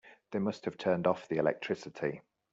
They must have turned off the electricity.